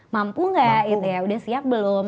mampu gak ya udah siap belum